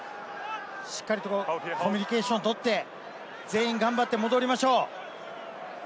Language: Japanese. しっかりとコミュニケーションを取って、全員頑張って戻りましょう。